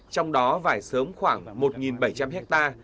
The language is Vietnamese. trong đó vải sớm khoảng một bảy trăm linh ha